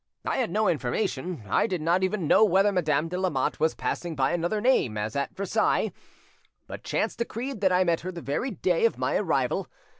I had no information, I did not even know whether Madame de Lamotte was passing by another name, as at Versailles, but chance decreed that I met her the very day of my arrival.